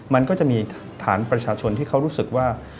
มันก็จะมีฐานประชาชนที่เขารู้สึกว่า